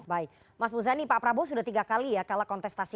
baik mas muzani pak prabowo sudah tiga kali ya kalah kontestasi